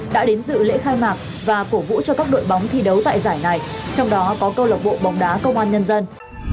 đã đến dự lễ khai mạc và cổ vũ cho các đội bóng thi đấu tại giải này trong đó có câu lạc bộ bóng đá công an nhân dân